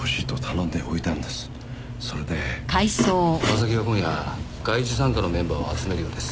正木は今夜外事三課のメンバーを集めるようです。